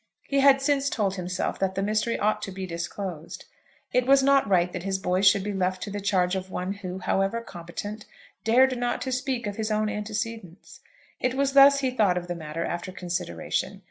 He had since told himself that the mystery ought to be disclosed. It was not right that his boys should be left to the charge of one who, however competent, dared not speak of his own antecedents. It was thus he thought of the matter, after consideration.